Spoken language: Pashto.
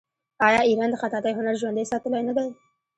آیا ایران د خطاطۍ هنر ژوندی ساتلی نه دی؟